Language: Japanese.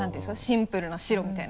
シンプルな白みたいな。